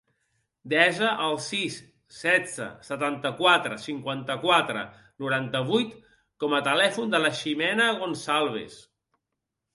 Desa el sis, setze, setanta-quatre, cinquanta-quatre, noranta-vuit com a telèfon de la Jimena Goncalves.